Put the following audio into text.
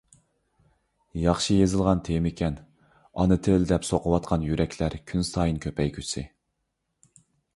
ياخشى يېزىلغان تېمىكەن. «ئانا تىل» دەپ سوقۇۋاتقان يۈرەكلەر كۈنسايىن كۆپەيگۈسى!